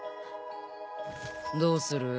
どうする？